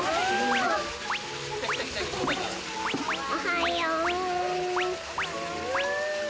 おはよう。